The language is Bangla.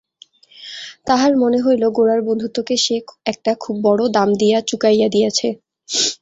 তাহার মনে হইল গোরার বন্ধুত্বকে সে একটা খুব বড়ো দাম দিয়া চুকাইয়া দিয়াছে।